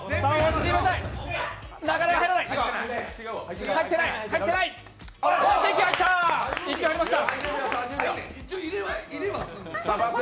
１球入りました。